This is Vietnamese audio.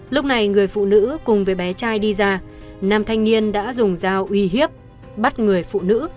lúc này người phụ nữ cùng với bé trai đi ra nam thanh niên đã dùng dao uy hiếp bắt người phụ nữ